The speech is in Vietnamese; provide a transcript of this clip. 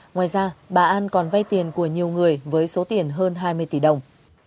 ngoài ra bà an còn vay tiền của nhiều người với số tiền hơn hai mươi tỷ đồng